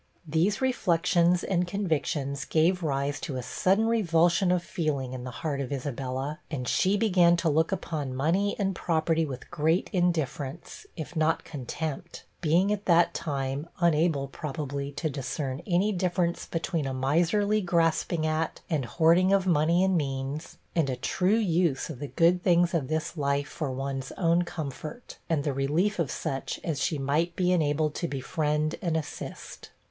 These reflections and convictions gave rise to a sudden revulsion of feeling in the heart of Isabella, and she began to look upon money and property with great indifference, if not contempt being at that time unable, probably, to discern any difference between a miserly grasping at and hoarding of money and means, and a true use of the good things of this life for one's own comfort, and the relief of such as she might be enabled to befriend and assist.